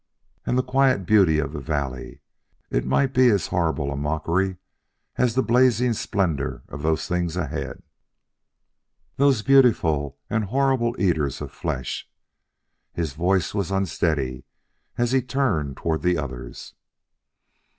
And the quiet beauty of the valley it might be as horrible a mockery as the blazing splendor of those things ahead those beautiful and horrible eaters of flesh! His voice was unsteady as he turned toward the others.